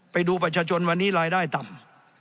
ไปดูประชาชนวันนี้รายได้ต่ำ